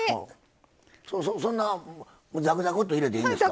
そんなざくざくっと入れていいんですか。